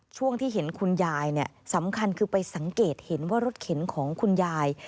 ช่วงที่เห็นคุณยายสำคัญคือไปสังเกตเห็นว่ารถเข็นของคุณยาย